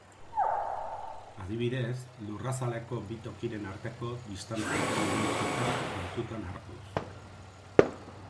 Adibidez, Lurrazaleko bi tokiren arteko distantziaren neurketa kontutan hartuz.